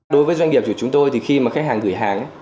đối với doanh nghiệp của chúng tôi thì khi mà khách hàng gửi hàng